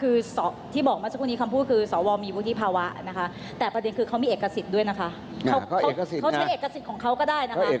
คือที่บอกมาเจ้าคุณนี้คำพูดคือสวมีวุฒิภาวะนะคะ